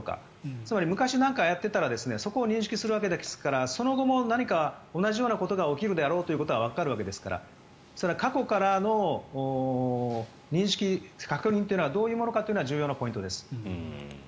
つまり昔なんかやっていたらそこを認識するわけですからその後も同じようなことが起きるだろうと推認できますから過去からの認識、確認というのはどういうものかっていうのは重要なポイントです。